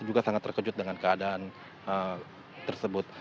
juga sangat terkejut dengan keadaan tersebut